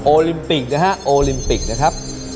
โอลิมปิกนะครับ